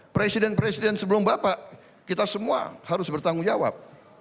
presiden presiden sebelum bapak kita semua harus bertanggung jawab